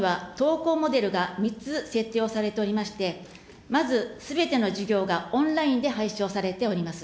草潤中学校には、登校モデルが３つ設定をされておりまして、まずすべての授業がオンラインで配信をされております。